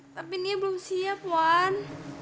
tapi dia belum siap wan